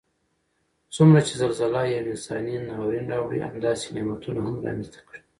څومره چې زلزله یو انساني ناورین راوړي همداسې نعمتونه هم رامنځته کړي